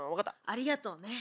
ありがとうね。